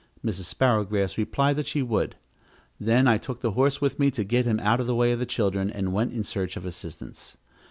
Mrs. Sparrowgrass replied that she would. Then I took the horse with me to get him out of the way of the children, and went in search of assistance.